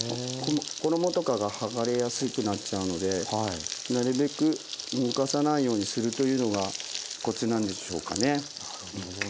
衣とかがはがれやすくなっちゃうのでなるべく動かさないようにするというのがコツなんでしょうかね。